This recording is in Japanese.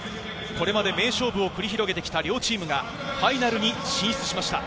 これまで名勝負を繰り広げてきた両チームがファイナルに進出しました。